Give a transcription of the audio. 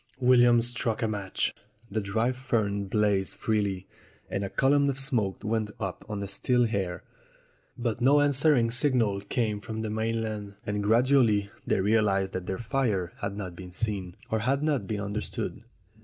William struck a match. The dry fern blazed freely, and a column of smoke went up on the still air. But no answering signal came from the main land, and gradually they realized that their fire had not been seen, or had not been understood.